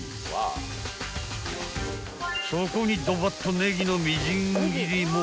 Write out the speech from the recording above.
［そこにドバッとネギのみじん切りも］